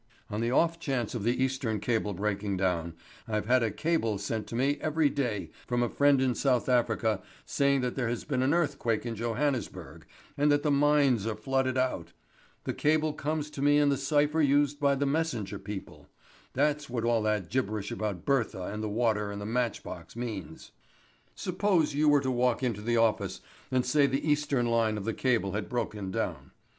"On the off chance of the Eastern cable breaking down, I've had a cable sent to me every day from a friend in South Africa saying that there has been an earthquake in Johannesburg, and that the mines are flooded out. The cable comes to me in the cypher used by The Messenger people. That's what all that gibberish about Bertha and the water and the matchbox means. "Suppose you were to walk into the office and say the Eastern line of cable had broken down.